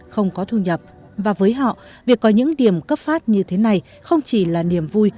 không có thu nhập và với họ việc có những điểm cấp phát như thế này không chỉ là niềm vui